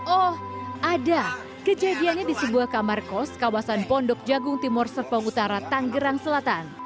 oh ada kejadiannya di sebuah kamar kos kawasan pondok jagung timur serpong utara tanggerang selatan